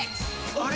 あれ？